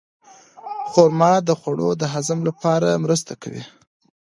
خرما د خوړو د هضم لپاره مرسته کوي.